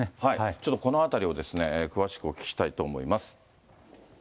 ちょっとこのあたりを詳しくお聞きしたいと思います。